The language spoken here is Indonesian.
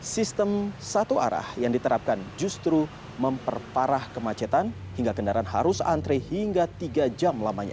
sistem satu arah yang diterapkan justru memperparah kemacetan hingga kendaraan harus antre hingga tiga jam lamanya